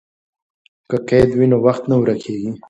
که قید وي نو وخت نه ورکېږي.